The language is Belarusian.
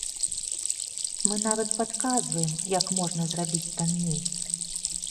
Мы нават падказваем, як можна зрабіць танней.